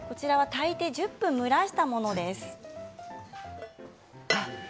炊いてから１０分蒸らしたものです。